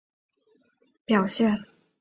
过去一年经济的表现